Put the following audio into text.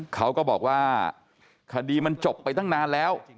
เขาก็บอกว่าคดีมันจบไปตั้งนานแล้ว